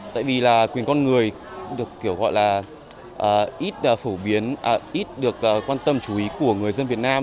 tại vì là quyền con người được kiểu gọi là ít phổ biến ít được quan tâm chú ý của người dân việt nam